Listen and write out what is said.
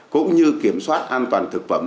cũng như kiểm soát an toàn thực phẩm